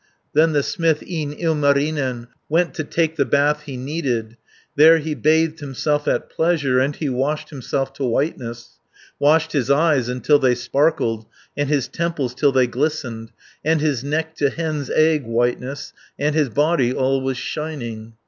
320 Then the smith, e'en Ilmarinen, Went to take the bath he needed, There he bathed himself at pleasure, And he washed himself to whiteness, Washed his eyes until they sparkled, And his temples till they glistened, And his neck to hen's egg whiteness, And his body all was shining.